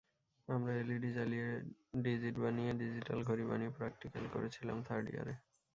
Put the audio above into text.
আমরা এলইডি জ্বালিয়ে ডিজিট বানিয়ে ডিজিটাল ঘড়ি বানিয়ে প্র্যাকটিক্যাল করেছিলাম থার্ড ইয়ারে।